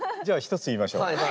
じゃあ１つ言いましょう。